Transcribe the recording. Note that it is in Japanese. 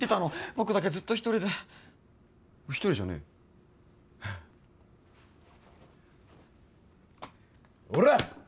僕だけずっと一人で一人じゃねえほら！